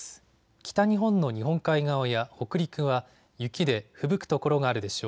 北日本の日本海側や北陸は雪でふぶく所があるでしょう。